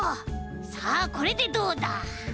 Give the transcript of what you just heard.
さあこれでどうだ？